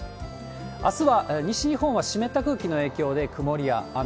あすは西日本は湿った空気の影響で曇りや雨。